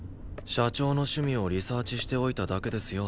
社長の趣味をリサーチしておいただけですよ。